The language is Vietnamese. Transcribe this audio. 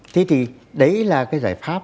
thế thì đấy là cái giải pháp